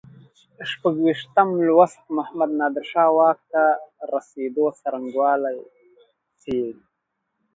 شپږویشتم لوست محمد نادر شاه واک ته رسېدو څرنګوالی څېړي.